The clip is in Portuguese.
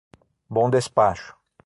Bom Despacho